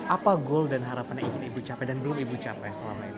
apa goal dan harapan ibu capek dan belum ibu capek selama ini